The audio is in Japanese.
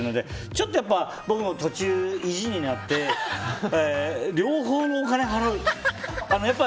ちょっと僕も、途中から意地になって両方のお金払うって。